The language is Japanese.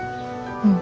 うん。